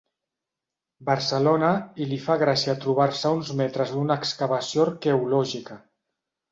Barcelona i li fa gràcia trobar-se a uns metres d'una excavació arqueològica.